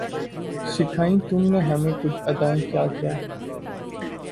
سکھائیں تم نے ہمیں کج ادائیاں کیا کیا